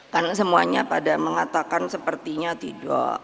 kan semuanya pada mengatakan sepertinya tidak